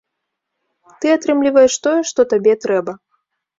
Ты атрымліваеш тое, што табе трэба.